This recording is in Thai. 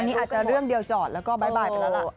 อันนี้อาจจะเรื่องเดียวจอดแล้วก็บ๊ายไปแล้วล่ะ